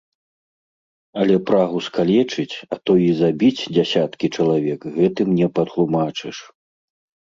Але прагу скалечыць, а то і забіць дзясяткі чалавек гэтым не патлумачыш.